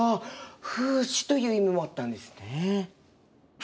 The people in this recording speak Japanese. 風刺という意味もあったんですね！